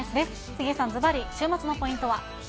杉江さん、ずばり週末のポイントは。